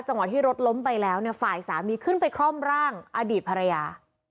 จะเห็นว่าที่รถล้มไปแล้วฝ่ายสามีขึ้นไปขร่อมร่างอดีตภรรยา